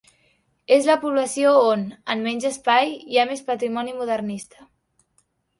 És la població on, en menys espai, hi ha més patrimoni modernista.